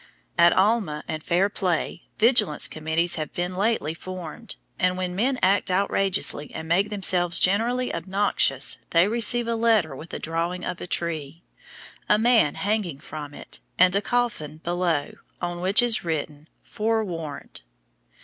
At Alma and Fairplay vigilance committees have been lately formed, and when men act outrageously and make themselves generally obnoxious they receive a letter with a drawing of a tree, a man hanging from it, and a coffin below, on which is written "Forewarned."